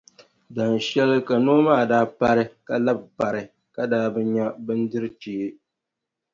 Dahinshɛli ka noo maa daa pari ka labi pari ka daa bi nya bindirʼ chee.